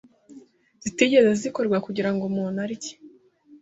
zitigeze zikorwa kugirango umuntu arye